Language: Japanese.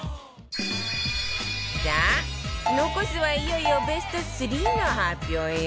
さあ残すはいよいよベスト３の発表よ